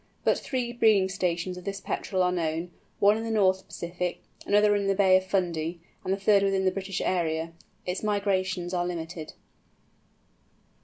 But three breeding stations of this Petrel are known—one in the North Pacific, another in the Bay of Fundy, and the third within the British area. Its migrations are limited.